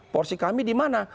porsi kami di mana